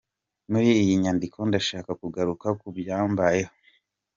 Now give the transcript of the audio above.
Muri iyi nyandiko ndashaka kugaruka ku byambayeho.